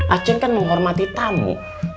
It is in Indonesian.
aceng kan menghormati tamu